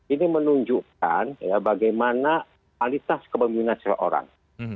ini menunjukkan bagaimana kualitas kepemimpinan seorang